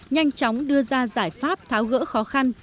nhanh chóng đưa ra giải pháp tháo gỡ khó khăn